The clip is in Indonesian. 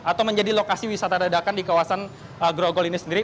atau menjadi lokasi wisata dadakan di kawasan grogol ini sendiri